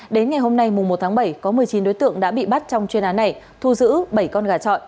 đến ngày hôm nay một tháng bảy có một mươi chín đối tượng đã bị bắt trong chuyên án này thu giữ bảy con gà trọi